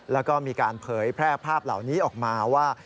แล้วก็มีการเผยแพร่ภาพเหล่านี้ออกมาว่า